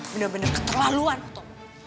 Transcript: benar benar keterlaluan hu tomo